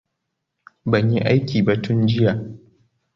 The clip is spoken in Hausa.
Ban yi aiki ba tun jiya.